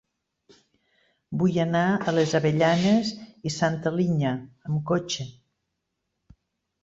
Vull anar a les Avellanes i Santa Linya amb cotxe.